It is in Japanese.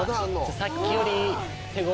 さっきより。